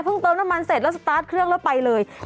เติมน้ำมันเสร็จแล้วสตาร์ทเครื่องแล้วไปเลย